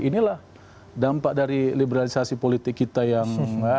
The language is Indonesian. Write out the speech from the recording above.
inilah dampak dari liberalisasi politik kita yang